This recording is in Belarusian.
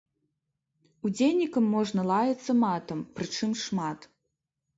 Удзельнікам можна лаяцца матам, прычым шмат.